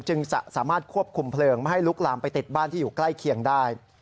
จึงสามารถควบคุมเพลิงไม่ให้ลุกลามไปติดบ้านที่อยู่ใกล้เคียงได้